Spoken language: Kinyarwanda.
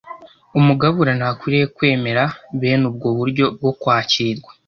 umugabura ntakwiriye kwemera bene ubwo buryo bwo kwakirwa